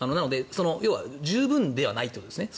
要は十分ではないということですね。